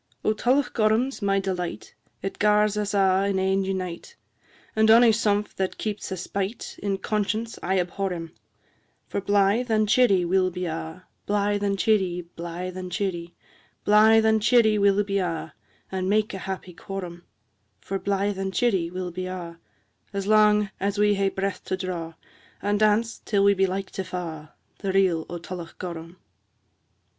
II. O Tullochgorum 's my delight, It gars us a' in ane unite, And ony sumph that keeps a spite, In conscience I abhor him: For blythe and cheerie we'll be a', Blythe and cheerie, blythe and cheerie, Blythe and cheerie we'll be a', And make a happy quorum; For blythe and cheerie we'll be a' As lang as we hae breath to draw, And dance, till we be like to fa', The Reel o' Tullochgorum.